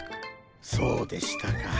そうでしたか。